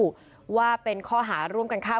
พวกมันต้องกินกันพี่